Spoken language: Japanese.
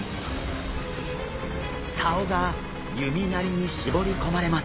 竿が弓なりに絞り込まれます。